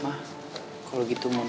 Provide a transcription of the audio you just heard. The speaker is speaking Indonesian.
empat belakang produk kakak ini